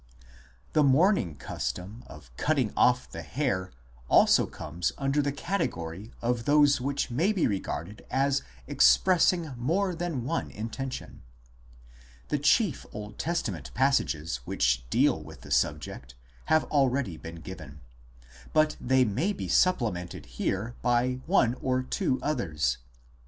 The mourning custom of cutting off the hair also comes under the category of those which may be regarded as expressing more than one intention. The chief Old Testa ment passages which deal with the subject have already been given, 2 but they may be supplemented here by one or two others.